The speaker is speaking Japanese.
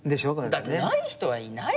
だってない人はいない